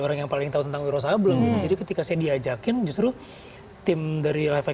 orang yang paling tahu tentang wiro sablem gitu jadi ketika saya diajakin justru tim dari lifec